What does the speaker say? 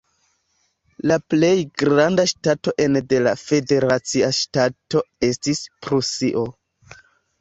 La plej granda ŝtato ene de la federacia ŝtato estis Prusio.